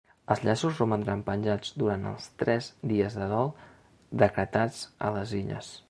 Els llaços romandran penjats durant els tres dies de dol decretats a les Illes.